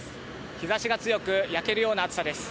日差しが強く焼けるような暑さです。